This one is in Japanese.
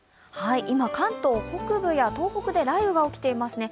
今、関東北部や東北で雷雨が起きていますね。